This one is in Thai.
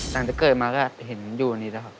ตั้งแต่เกิดมาก็เห็นอยู่วันนี้แล้วครับ